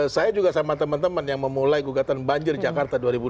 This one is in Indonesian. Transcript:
saya juga sama teman teman yang memulai gugatan banjir jakarta dua ribu dua puluh